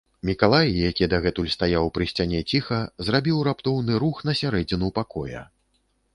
Мікалай, які дагэтуль стаяў пры сцяне ціха, зрабіў раптоўны рух на сярэдзіну пакоя.